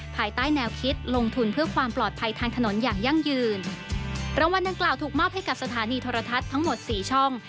ภายใต้แนวคิดลงทุนเพื่อความปลอดภัยทางถนนอย่างยั่งยืนรางวัลดังกล่าวถูกมอบให้กับสถานีโทรทัศน์ทั้งหมดสี่ช่อง